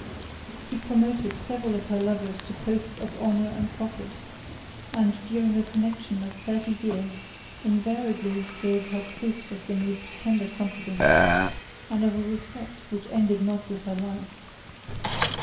He promoted several of her lovers to posts of honor and profit, 3 and during a connection of thirty years, invariably gave her proofs of the most tender confidence, and of a respect which ended not with her life.